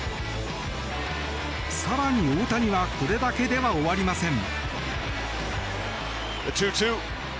更に、大谷はこれだけでは終わりません。